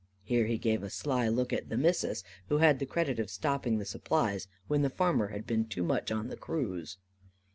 Here he gave a sly look at "the Missus," who had the credit of stopping the supplies, when the farmer had been too much on the cruise.